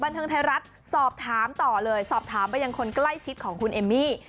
เทิงไทยรัฐสอบถามต่อเลยสอบถามไปยังคนใกล้ชิดของคุณเอมมี่